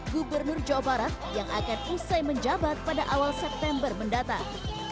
gubernur jawa barat yang akan usai menjabat pada awal september mendatang